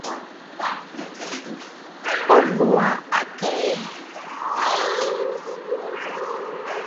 O lɔ̀ɔ̀ aa àkə̀ aa ɛ?